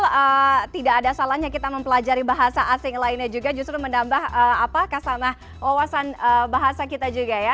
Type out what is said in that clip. kalau tidak ada salahnya kita mempelajari bahasa asing lainnya juga justru menambah kasanah wawasan bahasa kita juga ya